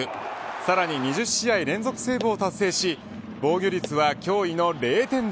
さらに２０試合連続セーブを達成し防御率は驚異の０点台。